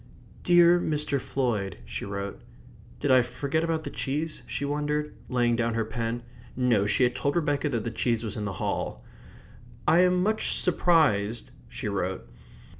"Dear Mr. Floyd," she wrote. "Did I forget about the cheese?" she wondered, laying down her pen. No, she had told Rebecca that the cheese was in the hall. "I am much surprised..." she wrote.